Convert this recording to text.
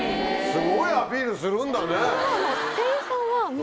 すごいアピールするんだね。